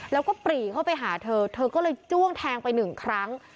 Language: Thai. แล้วก็ปรีเข้าไปหาเธอเธอก็เลยจ้วงแทงไปหนึ่งครั้ง